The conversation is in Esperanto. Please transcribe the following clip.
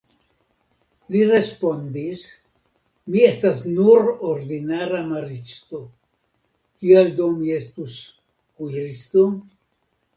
li respondis, mi estas nur ordinara maristo, kial do mi estus kuiristo?